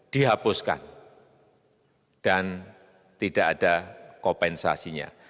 dihapuskan dan tidak ada kompensasinya